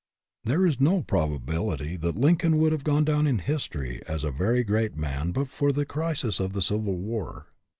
There is no probability that Lincoln would have gone down in history as a very great RESPONSIBILITY DEVELOPS 91 man but for the crisis of the Civil War.